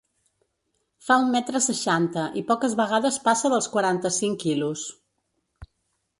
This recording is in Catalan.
Fa un metre seixanta i poques vegades passa dels quaranta-cinc quilos.